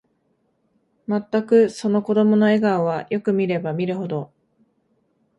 まったく、その子供の笑顔は、よく見れば見るほど、